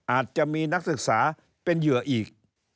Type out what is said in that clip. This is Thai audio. อาจจะมีนักศึกษาเป็นเหยื่ออีก